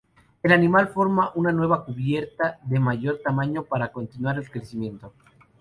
El animal forma una nueva cubierta de mayor tamaño para continuar el crecimiento.